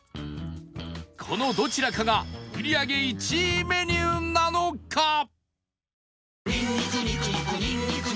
このどちらかが売り上げ１位メニューなのか？